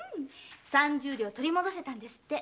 三十両取り戻せたんですって。